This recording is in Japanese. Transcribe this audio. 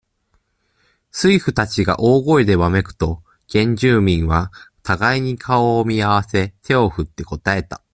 水夫たちが大声でわめくと、原住民は、互いに顔を見合わせ、手を振って答えた。